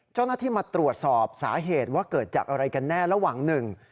เจ้าหน้าที่มาตรวจสอบสาเหตุว่าเกิดจากอะไรกันแน่ระหว่างหนึ่ง